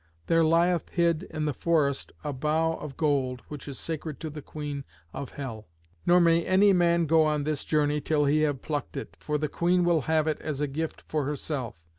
There lieth hid in the forest a bough of gold which is sacred to the Queen of hell. Nor may any man go on this journey till he have plucked it, for the Queen will have it as a gift for herself.